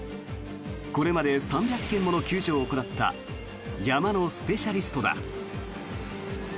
これまで３００件もの救助を行った山のスペシャリストだ。